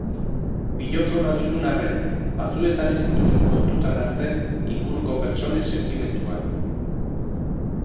Bihotz ona duzun arren, batzuetan ez dituzu kontutan hartzen inguruko pertsonen sentimenduak.